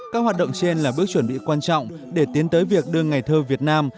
các hoạt động trên là bước chuẩn bị quan trọng để tiến tới việc đưa ngày thơ việt nam